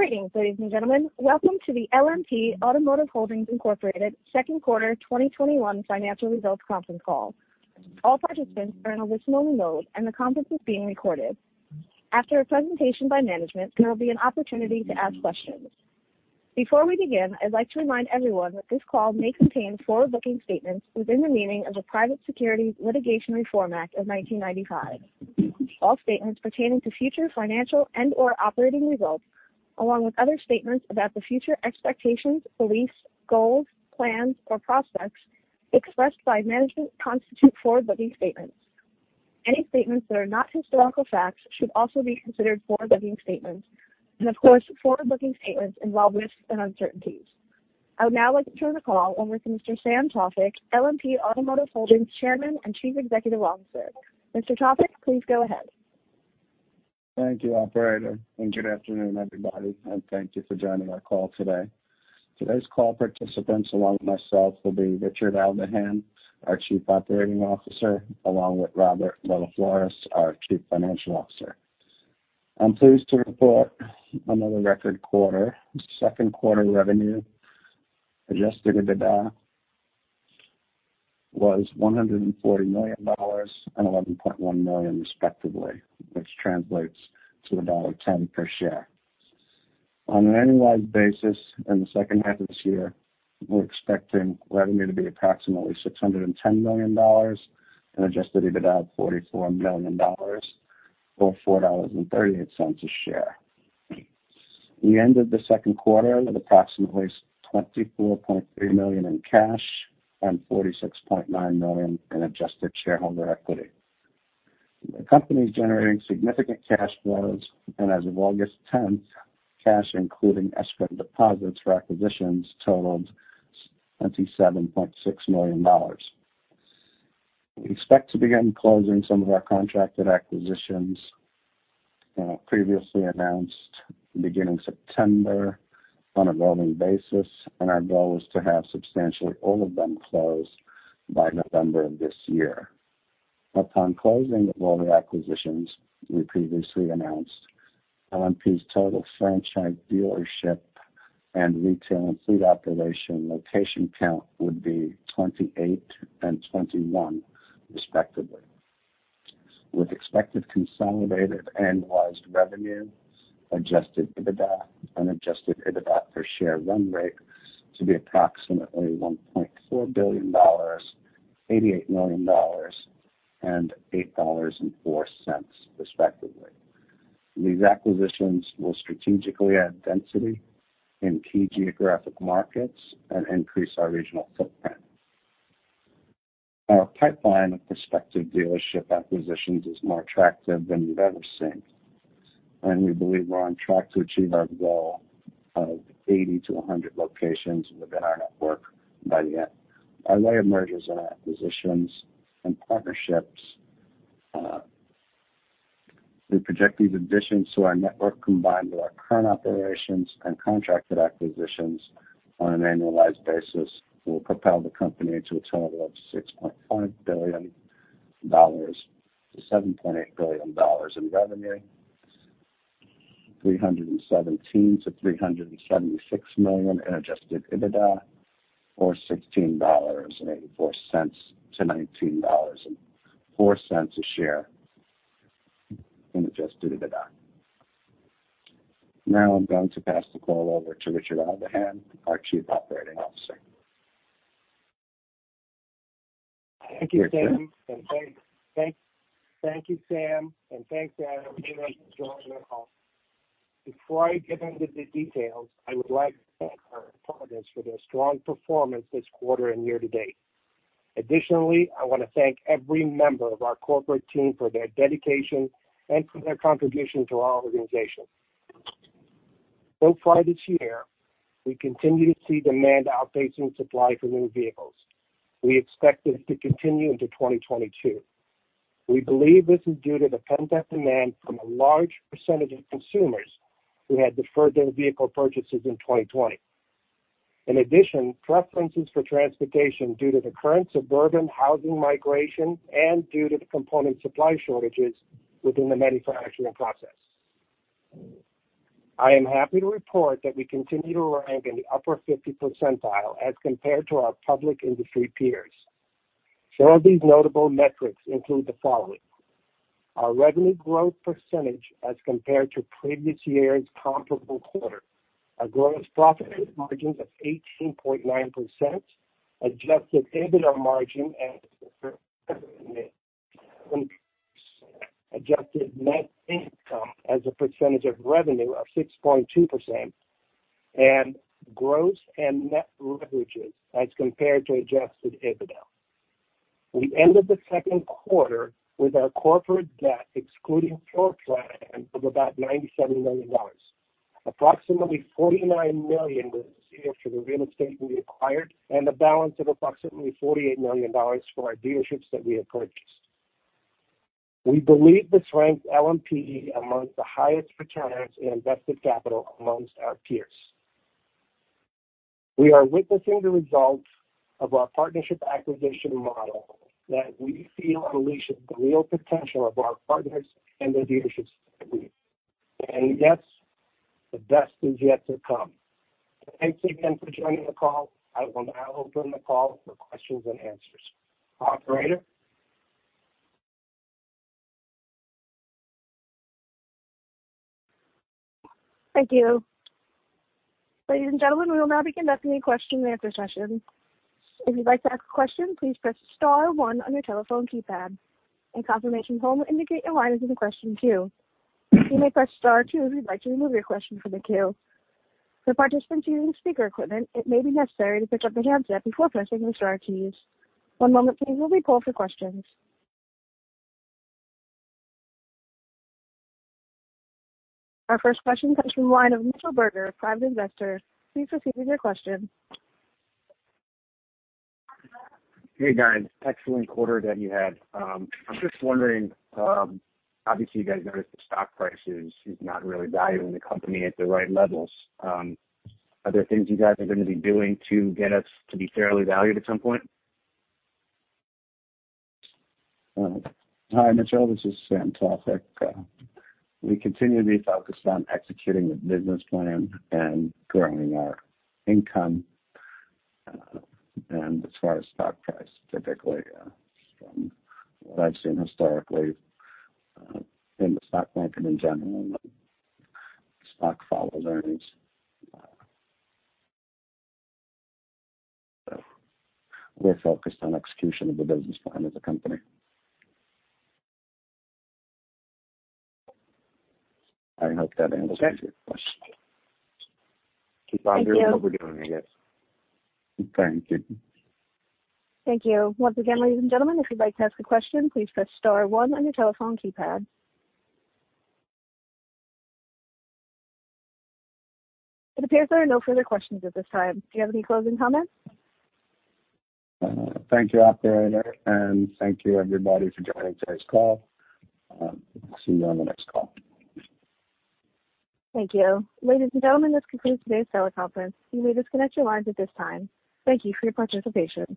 Greetings, ladies and gentlemen. Welcome to the LMP Automotive Holdings, Inc. second quarter 2021 financial results conference call. All participants are in a listen-only mode, and the conference is being recorded. After a presentation by management, there will be an opportunity to ask questions. Before we begin, I'd like to remind everyone that this call may contain forward-looking statements within the meaning of the Private Securities Litigation Reform Act of 1995. All statements pertaining to future financial and/or operating results, along with other statements about the future expectations, beliefs, goals, plans, or prospects expressed by management, constitute forward-looking statements. Any statements that are not historical facts should also be considered forward-looking statements. Of course, forward-looking statements involve risks and uncertainties. I would now like to turn the call over to Mr. Sam Tawfik, LMP Automotive Holdings Chairman and Chief Executive Officer. Mr. Tawfik, please go ahead. Thank you, operator, and good afternoon, everybody, and thank you for joining our call today. Today's call participants, along with myself, will be Richard Aldahan, our Chief Operating Officer, along with Robert Bellafiore, our Chief Financial Officer. I'm pleased to report another record quarter. Second quarter revenue, adjusted EBITDA, was $140 million and $11.1 million respectively, which translates to $1.10 per share. On an annualized basis in the second half of this year, we're expecting revenue to be approximately $610 million and adjusted EBITDA of $44 million, or $4.38 a share. We ended the second quarter with approximately $24.3 million in cash and $46.9 million in adjusted shareholder equity. The company's generating significant cash flows, and as of August 10th, cash, including escrow deposits for acquisitions, totaled $27.6 million. We expect to begin closing some of our contracted acquisitions previously announced beginning September on a rolling basis, and our goal is to have substantially all of them closed by November of this year. Upon closing of all the acquisitions we previously announced, LMP's total franchise dealership and retail and fleet operation location count would be 28 and 21 respectively, with expected consolidated annualized revenue, adjusted EBITDA, and adjusted EBITDA per share run rate to be approximately $1.4 billion, $88 million, and $8.04 respectively. These acquisitions will strategically add density in key geographic markets and increase our regional footprint. Our pipeline of prospective dealership acquisitions is more attractive than we've ever seen, and we believe we're on track to achieve our goal of 80 to 100 locations within our network by the end. Our rate of mergers and acquisitions and partnerships, we project these additions to our network combined with our current operations and contracted acquisitions on an annualized basis will propel the company to a total of $6.5 billion-$7.8 billion in revenue, $317 million-$376 million in adjusted EBITDA or $16.84-$19.04 a share in adjusted EBITDA. I'm going to pass the call over to Richard Aldahan, our Chief Operating Officer. You're mute. Thank you, Sam, and thanks, Anna, for joining our call. Before I get into the details, I would like to thank our partners for their strong performance this quarter and year-to-date. Additionally, I want to thank every member of our corporate team for their dedication and for their contribution to our organization. Far this year, we continue to see demand outpacing supply for new vehicles. We expect this to continue into 2022. We believe this is due to the pent-up demand from a large percentage of consumers who had deferred their vehicle purchases in 2020. In addition, preferences for transportation due to the current suburban housing migration and due to the component supply shortages within the manufacturing process. I am happy to report that we continue to rank in the upper 50 percentile as compared to our public industry peers. Some of these notable metrics include the following. Our revenue growth percentage as compared to previous year's comparable quarter, our gross profit margins of 18.9%, adjusted EBITDA margin as a %, adjusted net income as a percentage of revenue of 6.2%, and gross and net leverages as compared to adjusted EBITDA. We ended the second quarter with our corporate debt, excluding floor plan, of about $97 million. Approximately $49 million was used for the real estate we acquired, and the balance of approximately $48 million for our dealerships that we have purchased. We believe this ranks LMP among the highest return on invested capital amongst our peers. We are witnessing the results of our partnership acquisition model that we feel unleashes the real potential of our partners and their dealerships. Yes, the best is yet to come. Thanks again for joining the call. I will now open the call for questions and answers. Operator? Thank you. Ladies and gentlemen, we will now be conducting a question-and-answer session. If you'd like to ask a question, please press star one on your telephone keypad. A confirmation tone will indicate your line is in the question queue. You may press star two if you'd like to remove your question from the queue. For participants using speaker equipment, it may be necessary to pick up the handset before pressing the star keys. One moment please, while we poll for questions. Our first question comes from the line of Mitchell Berger, Private Investor. Please proceed with your question. Hey, guys. Excellent quarter that you had. I'm just wondering, obviously you guys noticed the stock price is not really valuing the company at the right levels. Are there things you guys are going to be doing to get us to be fairly valued at some point? Hi, Mitchell, this is Sam Tawfik. We continue to be focused on executing the business plan and growing our income. As far as stock price, typically, from what I've seen historically in the stock market, in general, stock follows earnings. We're focused on execution of the business plan of the company. I hope that answers your question. Okay. Keep on doing what we're doing, I guess. Thank you. Thank you. Once again, ladies and gentlemen, if you'd like to ask a question, please press star one on your telephone keypad. It appears there are no further questions at this time. Do you have any closing comments? Thank you, operator, and thank you, everybody, for joining today's call. I'll see you on the next call. Thank you. Ladies and gentlemen, this concludes today's teleconference. You may disconnect your lines at this time. Thank you for your participation.